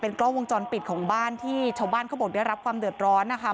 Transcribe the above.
กล้องวงจรปิดของบ้านที่ชาวบ้านเขาบอกได้รับความเดือดร้อนนะคะ